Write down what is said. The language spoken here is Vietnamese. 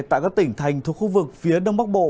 tại các tỉnh thành thuộc khu vực phía đông bắc bộ